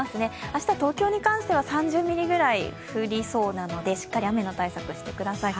明日は東京に関して３０ミリくらい降りそうなのでしっかり雨の対策、してください。